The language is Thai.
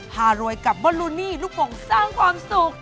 พารวยกับบอลลูนี่ลูกโป่งสร้างความสุข